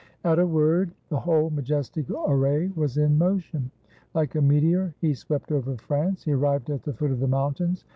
At a word, the whole majestic array was in motion. Like a meteor he swept over France. He arrived at the foot of the mountains.